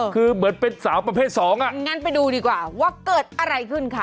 คือเหมือนเป็นสาวประเภทสองอ่ะงั้นไปดูดีกว่าว่าเกิดอะไรขึ้นค่ะ